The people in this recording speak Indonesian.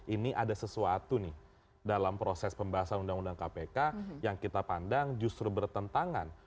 ini ada sesuatu nih dalam proses pembahasan undang undang kpk yang kita pandang justru bertentangan